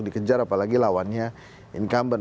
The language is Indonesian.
dikejar apalagi lawannya incumbent